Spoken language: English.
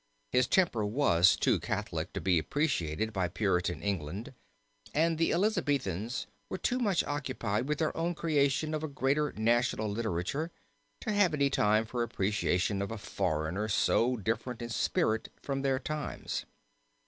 His temper was too Catholic to be appreciated by Puritan England, and the Elizabethans were too much occupied with their own creation of a great national literature, to have any time for appreciation of a foreigner so different in spirit from their times.